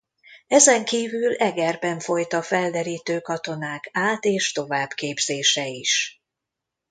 Ezen kívül Egerben folyt a felderítő katonák át- és továbbképzése is.